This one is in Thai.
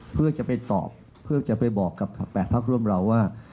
เพื่อจะไปตอบเพื่อจะไปบอกกับ๘พักร่วมเราว่า